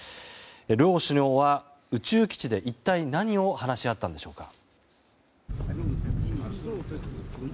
両首脳は宇宙基地で一体何を話し合ったのでしょうか。